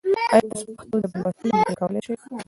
ایا تاسو په پښتو ژبه لوستل او لیکل کولای سئ؟